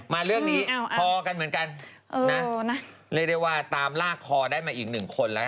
มาเรื่องนี้พอกันเหมือนกันนะเรียกได้ว่าตามลากคอได้มาอีกหนึ่งคนแล้ว